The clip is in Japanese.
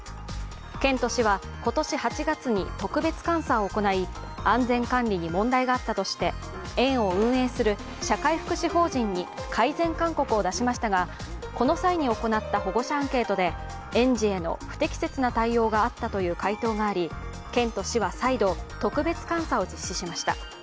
県と市は、今年８月に特別監査を行い安全管理に問題があったとして園を運営する社会福祉法人に改善勧告を出しましたがこの際に行った保護者アンケートで園児への不適切な対応があったという回答があり県と市は再度、特別監査を実施しました。